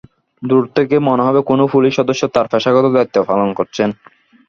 দূর থেকে মনে হবে কোনো পুলিশ সদস্য তাঁর পেশাগত দায়িত্ব পালন করছেন।